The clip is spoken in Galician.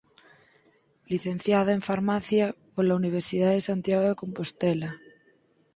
Licenciado en Farmacia pola Universidade de Santiago de Compostela.